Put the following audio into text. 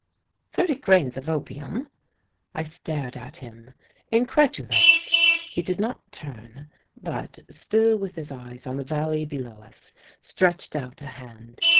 "Thirty grains of opium!" I stared at him, incredulous. He did not turn, but, still with his eyes on the valley below us, stretched out a hand.